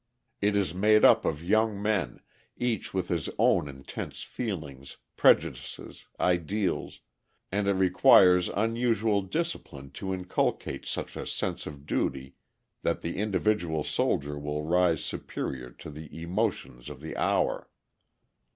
It is made up of young men, each with his own intense feelings, prejudices, ideals; and it requires unusual discipline to inculcate such a sense of duty that the individual soldier will rise superior to the emotions of the hour.